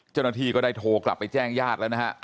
เจ้าหน้าที่ก็ได้โทรกลับไปแจ้งญาติแล้วนะฮะ